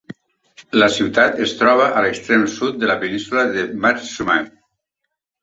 La ciutat es troba a l'extrem sud de la península de Matsumae.